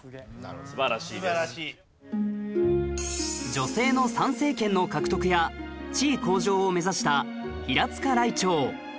女性の参政権の獲得や地位向上を目指した平塚らいてう